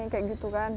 kayak gitu kan